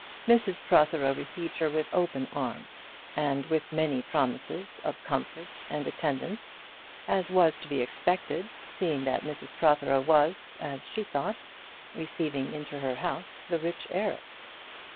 Mrs Protheroe received her with open arms, and with many promises of comfort and attendance, as was to be expected, seeing that Mrs Protheroe was, as she thought, receiving into her house the rich heiress.